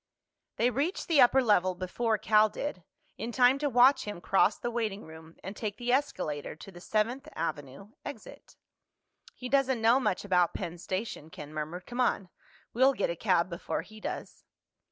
They reached the upper level before Cal did, in time to watch him cross the waiting room and take the escalator to the Seventh Avenue exit. "He doesn't know much about Penn Station," Ken murmured. "Come on. We'll get a cab before he does."